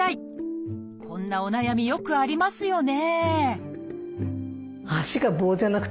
こんなお悩みよくありますよね